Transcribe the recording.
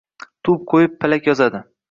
Tup qo‘yib, palak yozadi.